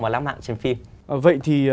và lãng mạn trên phim vậy thì